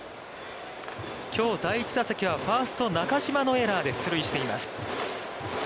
きょう第１打席はファースト中島のエラーで出塁しています。